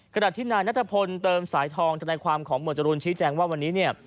ขณะที่นายนัตรพลเติมสายทองในความของหมวนจรุลชี้แจงว่าวันนี้